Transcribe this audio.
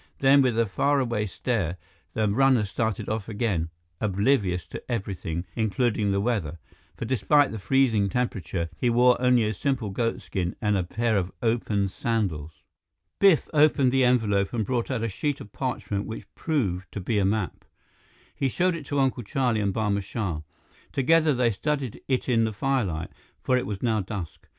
Then, with a faraway stare, the runner started off again, oblivious to everything including the weather, for despite the freezing temperature, he wore only a simple goat skin and a pair of open sandals. Biff opened the envelope and brought out a sheet of parchment which proved to be a map. He showed it to Uncle Charlie and Barma Shah. Together, they studied it in the firelight, for it was now dusk.